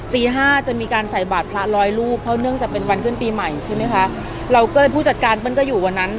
ตีห้าจะมีการใส่บาทพระร้อยรูปเพราะเนื่องจากเป็นวันขึ้นปีใหม่ใช่ไหมคะเราก็เลยผู้จัดการเปิ้ลก็อยู่วันนั้น